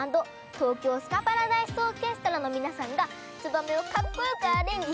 東京スカパラダイスオーケストラのみなさんが「ツバメ」をかっこよくアレンジしてくださいました！